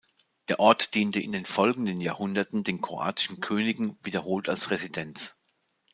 Der Ort diente in den folgenden Jahrhunderten den kroatischen Königen wiederholt als Residenz.